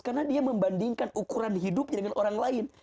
karena dia membandingkan ukuran hidupnya dengan orang lain